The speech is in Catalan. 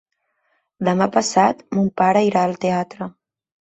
Demà passat mon pare irà al teatre.